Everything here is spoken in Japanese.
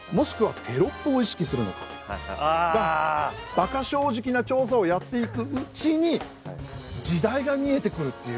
バカ正直な調査をやっていくうちに時代が見えてくるっていう。